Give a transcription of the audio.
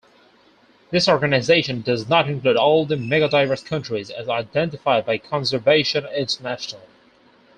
This organization does not include all the megadiverse countries as identified by Conservation International.